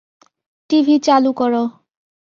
TV চালু করো।